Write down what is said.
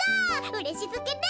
うれしすぎる！